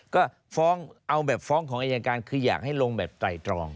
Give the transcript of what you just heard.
ก็ฟ้องเอาแบบฟ้องของอายการคืออยากให้ลงแบบไตรตรอง